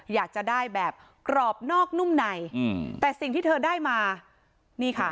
อยากจะได้แบบกรอบนอกนุ่มในอืมแต่สิ่งที่เธอได้มานี่ค่ะ